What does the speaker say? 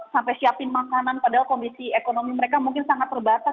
sampai siapin makanan padahal kondisi ekonomi mereka mungkin sangat terbatas